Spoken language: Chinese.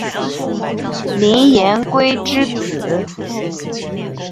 林廷圭之子。